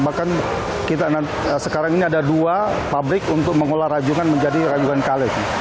bahkan kita sekarang ini ada dua pabrik untuk mengolah rajungan menjadi rajungan kaleng